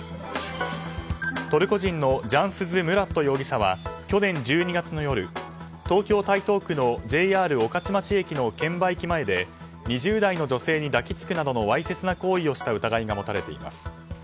トルコ人のジャンスズ・ムラット容疑者は去年１２月の夜東京・台東区のＪＲ御徒町駅の券売機前で２０代の女性に抱き付くなどのわいせつな行為をした疑いが持たれています。